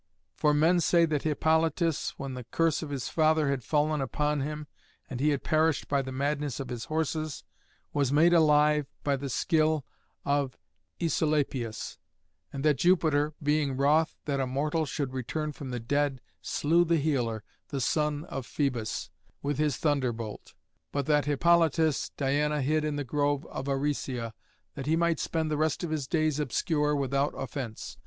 For men say that Hippolytus, when the curse of his father had fallen upon him, and he had perished by the madness of his horses, was made alive by the skill of Æsculapius, and that Jupiter, being wroth that a mortal should return from the dead, slew the healer, the son of Phœbus, with his thunderbolt; but that Hippolytus Diana hid in the grove of Aricia, that he might spend the rest of his days obscure and without offence.